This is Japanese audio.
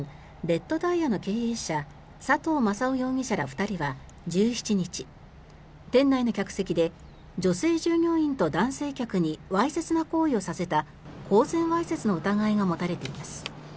レッドダイヤの経営者佐藤正男容疑者ら２人は１７日店内の客席で女性従業員と男性客にわいせつな行為をさせた公然わいせつの疑いが持たれています。